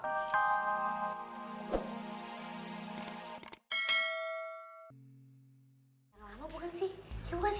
lama bukan sih